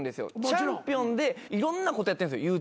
チャンピオンでいろんなことやってんですよ。